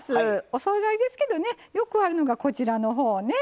お総菜ですけどねよくあるのがこちらのほうね。